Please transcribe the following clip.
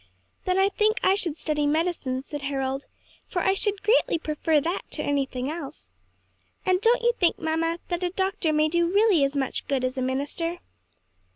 "Then I think I should study medicine," said Harold, "for I should very greatly prefer that to anything else. And don't you think, mamma, that a doctor may do really as much good as a minister?"